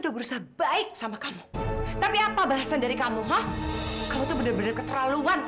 apa sih ada di otak kamu ini ha